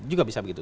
juga bisa begitu